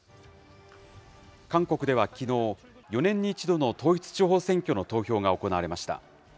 韓国ではきのう、４年に１度の統一地方選挙の投票が行われました。